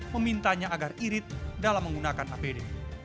memintanya agar irit dalam menggunakan apd